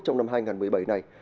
trong năm hai nghìn một mươi bảy này